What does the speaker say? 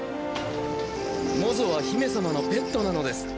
モゾは姫様のペットなのです。